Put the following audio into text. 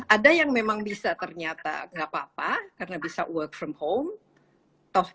ada yang memang bisa ternyata gak apa apa karena bisa bekerja dari rumah